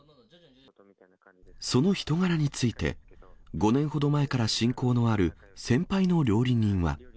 その人柄について、５年ほど前から親交のある先輩の料理人は。